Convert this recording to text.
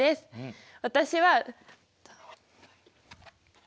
私は。